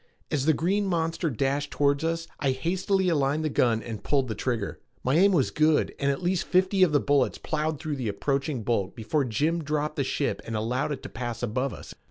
As the green monster dashed toward us I hastily aligned the gun and pulled the trigger. My aim was good and at least fifty of the bullets plowed through the approaching bulk before Jim dropped the ship and allowed it to pass above us.